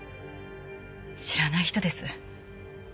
知らない人です。